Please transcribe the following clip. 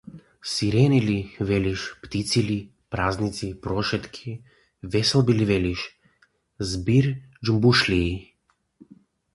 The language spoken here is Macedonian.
Сирени ли, велиш, птици ли, празници, прошетки, веселби ли велиш, збир џумбушлии?